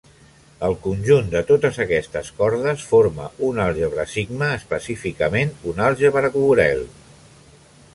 El conjunt de totes aquestes cordes forma un àlgebra sigma, específicament, un àlgebra Borel.